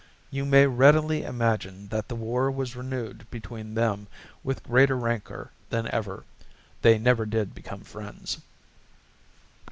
You may readily imagine that the war was renewed between them with greater rancor than ever. They never did become friends.